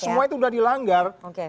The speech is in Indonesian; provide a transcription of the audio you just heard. karena semua itu sudah dilanggar